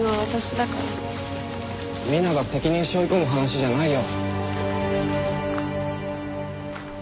ミナが責任しょい込む話じゃないよ。